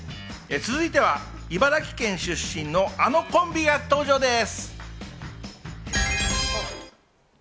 続いては茨城県出身のあのコンビが登場です。